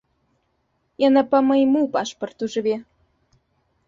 Яна па майму пашпарту жыве.